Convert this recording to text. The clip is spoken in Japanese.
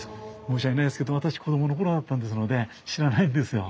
申し訳ないんですけど私子供の頃だったんですので知らないんですよ。